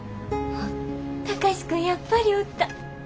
貴司君やっぱりおった。